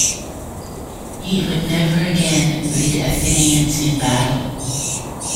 He would never again lead Athenians in battle.